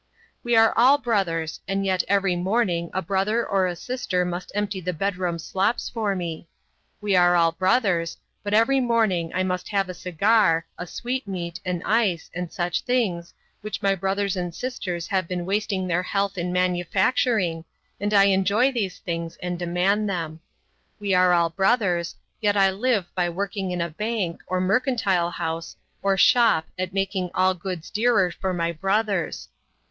We are all brothers and yet every morning a brother or a sister must empty the bedroom slops for me. We are all brothers, but every morning I must have a cigar, a sweetmeat, an ice, and such things, which my brothers and sisters have been wasting their health in manufacturing, and I enjoy these things and demand them. We are all brothers, yet I live by working in a bank, or mercantile house, or shop at making all goods dearer for my brothers.